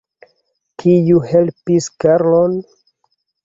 Kiu helpis Karlon?